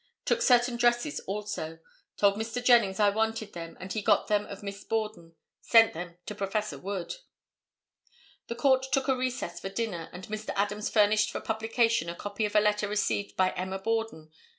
Took certain dresses also. Told Mr. Jennings I wanted them and he got them of Miss Borden. Sent them to Prof. Wood." The court then took a recess for dinner and Mr. Adams furnished for publication a copy of a letter received by Emma Borden.